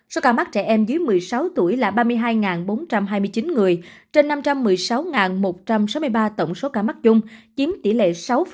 số ca mắc trẻ em dưới một mươi sáu tuổi là ba mươi hai bốn trăm hai mươi chín người trên năm trăm một mươi sáu một trăm sáu mươi ba tổng số ca mắc chung chiếm tỷ lệ sáu